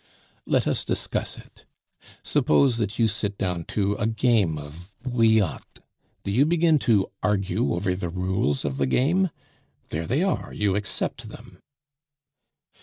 Let us discuss it. Suppose that you sit down to a game of bouillotte, do you begin to argue over the rules of the game? There they are, you accept them."